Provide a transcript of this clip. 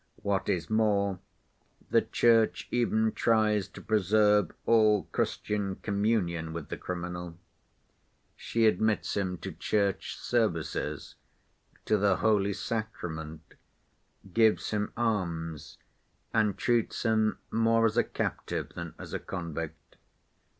What is more, the Church even tries to preserve all Christian communion with the criminal. She admits him to church services, to the holy sacrament, gives him alms, and treats him more as a captive than as a convict.